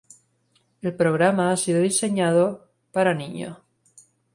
El programa ha sido diseñado para niños.